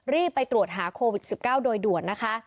รีบไปตรวจหาโควิด๑๙โดยด่วนนะคะ